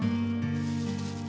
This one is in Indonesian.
aku mau ke rumah